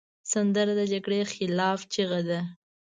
سندره د جګړې خلاف چیغه ده